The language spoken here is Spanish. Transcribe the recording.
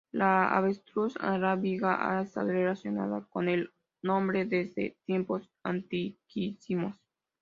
La avestruz arábiga ha estado relacionada con el hombre desde tiempos antiquísimos.